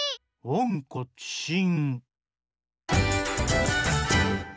「おんこちしん」。